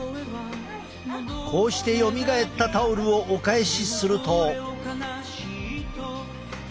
こうしてよみがえったタオルをお返しすると。